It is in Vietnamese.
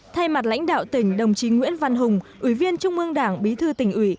thay mặt lãnh đạo tỉnh đồng chí nguyễn văn hùng ủy viên trung ương đảng bí thư tỉnh ủy